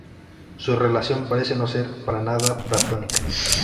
Su relación parece no ser para nada platónica.